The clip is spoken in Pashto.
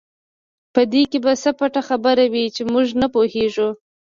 په دې کې به څه پټه خبره وي چې موږ نه پوهېږو.